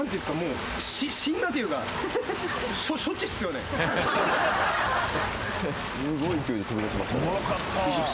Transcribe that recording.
すごい勢いで飛び出しましたね。